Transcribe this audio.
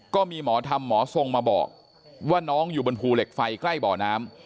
ก็มีหมอธรรมหมอทรงมาบอกว่าน้องอยู่บนภูเหล็กไฟใกล้บ่อน้ำ